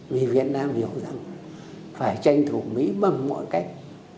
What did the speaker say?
vì việt nam hiểu rằng phải tranh thủ mỹ bằng mọi cách